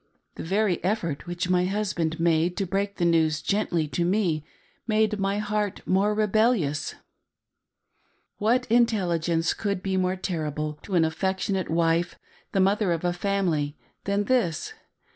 The very effort which my husband made to break the news gently to me made my heart more rebellious. What intelligence could be more terrible to an affectionate wife, the mother of a family, than this.